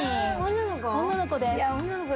女の子です。